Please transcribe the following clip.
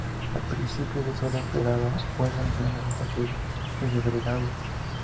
Al principio sólo operaba vuelos nacionales hasta y desde Belgrado.